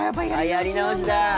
やり直しだ。